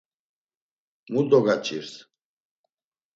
Mu dogaç̌irs?